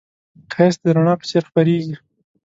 ښایست د رڼا په څېر خپرېږي